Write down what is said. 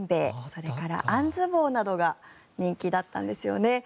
それからアンズ棒などが人気だったんですよね。